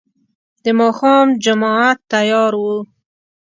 د ماښام جماعت تيار و.